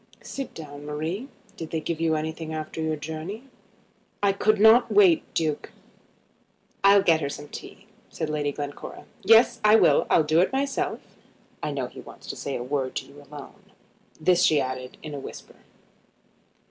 Sit down, Marie. Did they give you anything after your journey?" "I could not wait, Duke." "I'll get her some tea," said Lady Glencora. "Yes, I will. I'll do it myself. I know he wants to say a word to you alone." This she added in a whisper.